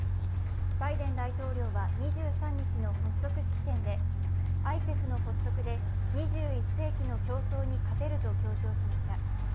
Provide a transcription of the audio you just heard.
バイデン大統領は２３日の発足式典でＩＰＥＦの発足で２１世紀の競争に勝てると強調しました。